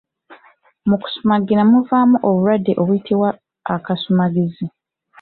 Mu kusumagira muvaamu obulwadde obuyitibwa akasumagizi.